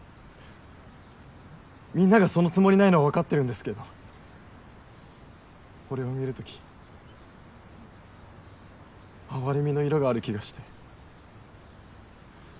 みんながそのつもりないのは分かってるんですけど俺を見るときあわれみの色がある気がして。